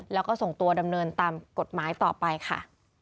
แล้วก็ส่งตัวดำเนินตามกฎหมายต่อไปค่ะ